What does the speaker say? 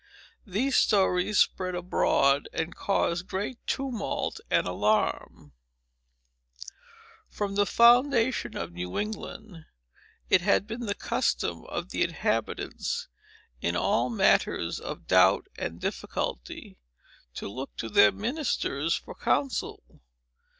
These stories spread abroad, and caused great tumult and alarm. From the foundation of New England, it had been the custom of the inhabitants, in all matters of doubt and difficulty, to look to their ministers for council.